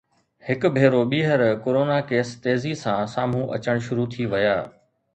هڪ ڀيرو ٻيهر ڪرونا ڪيس تيزي سان سامهون اچڻ شروع ٿي ويا